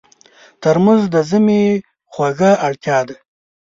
ترموز د ژمي خوږه اړتیا ده.